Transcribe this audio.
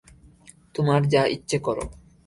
তোমার যা ইচ্ছে কর!